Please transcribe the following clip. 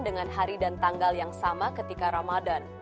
dengan hari dan tanggal yang sama ketika ramadhan